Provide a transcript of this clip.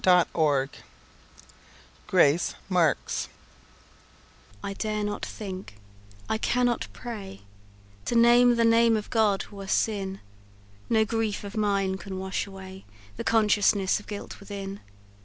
CHAPTER X Grace Marks "I dare not think I cannot pray; To name the name of God were sin: No grief of mine can wash away The consciousness of guilt within.